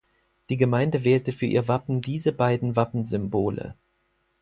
Die Gemeinde wählte für ihr Wappen diese beiden Wappensymbole.